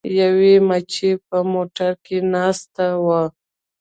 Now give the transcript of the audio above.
یوې مچۍ په موټر کې ناسته وه.